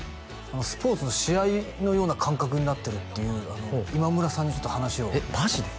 「スポーツの試合のような感覚になってる」っていう今村さんにちょっと話をえっマジで？